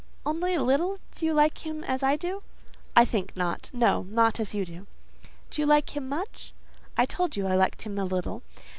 "Only a little! Do you like him as I do?" "I think not. No: not as you do." "Do you like him much?" "I told you I liked him a little.